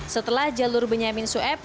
setelah jalur benyamin sueb